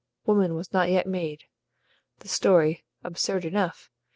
Woman was not yet made. The story (absurd enough!)